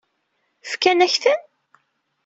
Fkan-ak-ten?